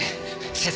先生